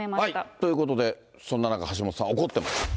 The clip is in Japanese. ということで、そんな中、橋下さん、怒ってます。